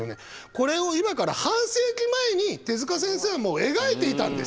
これを今から半世紀前に手先生はもう描いていたんです。